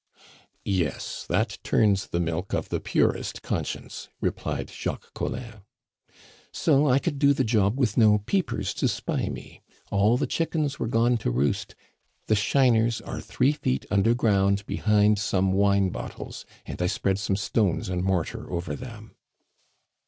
"Yes, that turns the milk of the purest conscience," replied Jacques Collin. "So I could do the job with no peepers to spy me. All the chickens were gone to roost. The shiners are three feet underground behind some wine bottles. And I spread some stones and mortar over them."